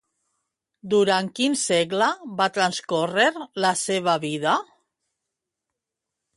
Durant quin segle va transcórrer la seva vida?